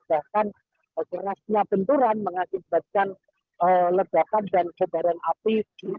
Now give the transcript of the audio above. bahkan kerasnya benturan mengakibatkan ledakan dan kebaran api